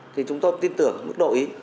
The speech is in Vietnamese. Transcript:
thì chúng tôi tin tưởng đổi ý